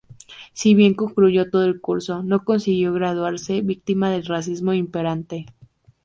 Si bien concluyó todo el curso, no consiguió graduarse víctima del racismo imperante.